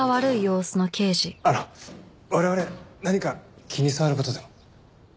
あの我々何か気に障る事でも？